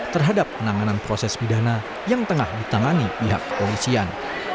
terhadap penanganan proses pidana yang tengah ditangani pihak kepolisian